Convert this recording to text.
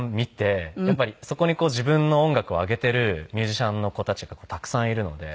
そこに自分の音楽を上げてるミュージシャンの子たちがたくさんいるので。